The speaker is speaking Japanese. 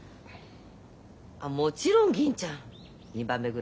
もちろん銀ちゃん２番目ぐらいに大切よ。